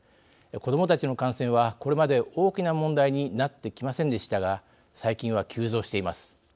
子どもたちの感染はこれまで大きな問題になってきませんでしたが最近は急増しています。